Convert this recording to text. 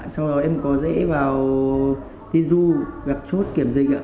sau đó em có dễ vào tin du gặp chốt kiểm dịch